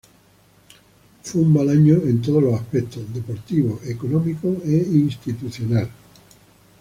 Fue un mal año en todos los aspectos: deportivo, económico e institucional.